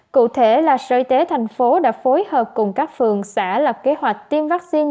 cụ thể là sở y tế thành phố đã phối hợp cùng các phường xã lập kế hoạch tiêm vaccine